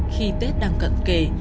khi tết đang cận kề